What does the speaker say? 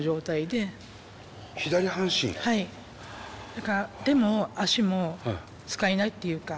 だから手も足も使えないっていうか。